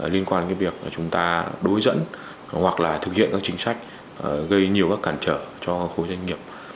liên quan đến việc chúng ta đối dẫn hoặc là thực hiện các chính sách gây nhiều các cản trở cho khối doanh nghiệp